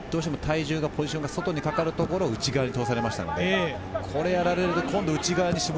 ポジションが外にかかるところを内側に通されました。